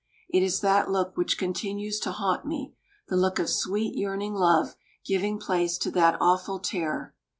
It is that look which continues to haunt me, the look of sweet, yearning love giving place to that awful terror.